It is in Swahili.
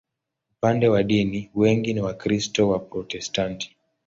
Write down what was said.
Upande wa dini, wengi ni Wakristo Waprotestanti.